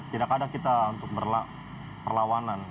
tidak ada kita untuk berperlawanan